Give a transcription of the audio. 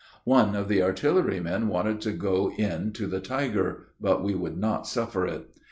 One of the artillery men wanted to go in to the tiger, but we would not suffer it.